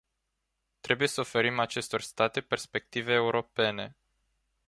Trebuie să oferim acestor state perspective europene.